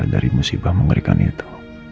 dari musibah mengerikan itu